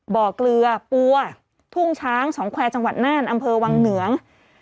บ่อเกลือปัวทุ่งช้างสองแควร์จังหวัดน่านอำเภอวังเหนือง